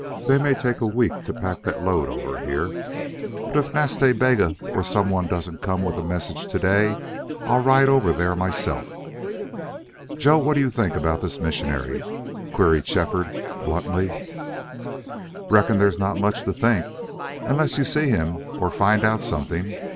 They may take a week to pack that load over here. But if Nas Ta Bega or some one doesn't come with a message to day I'll ride over there myself." "Joe, what do you think about this missionary?" queried Shefford, bluntly. "Reckon there's not much to think, unless you see him or find out something.